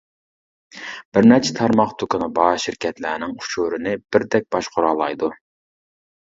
بىر نەچچە تارماق دۇكىنى بار شىركەتلەرنىڭ ئۇچۇرىنى بىردەك باشقۇرالايدۇ.